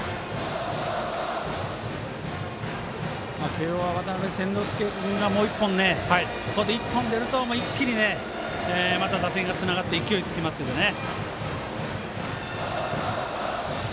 慶応は渡邉千之亮がここで１本出ると、一気にまた打線がつながって勢いがつきますけどね。